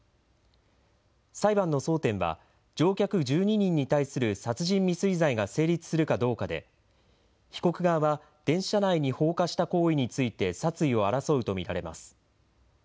裁判の争点は、乗客１２人に対する殺人未遂罪が成立するかどうかで、被告側は電車内に放火した行為について殺意を争うと見られます。